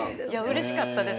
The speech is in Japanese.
うれしかったです。